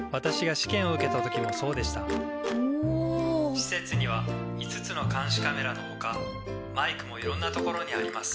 「施設には５つの監視カメラのほかマイクもいろんな所にあります」。